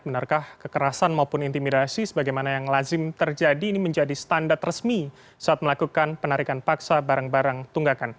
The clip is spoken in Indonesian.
benarkah kekerasan maupun intimidasi sebagaimana yang lazim terjadi ini menjadi standar resmi saat melakukan penarikan paksa barang barang tunggakan